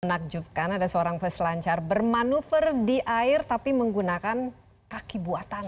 menakjubkan ada seorang peselancar bermanuver di air tapi menggunakan kaki buatan